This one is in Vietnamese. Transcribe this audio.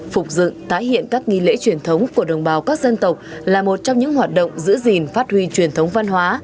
phục dựng tái hiện các nghi lễ truyền thống của đồng bào các dân tộc là một trong những hoạt động giữ gìn phát huy truyền thống văn hóa